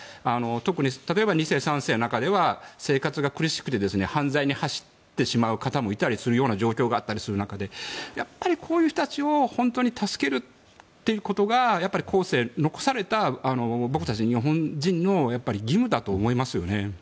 特に例えば２世、３世の中には生活が苦しくて犯罪に走ってしまう方もいたりするような状況があったりする中でやっぱりこういう人たちを本当に助けるということがやっぱり後世に残された僕たち日本人の義務だと思いますよね。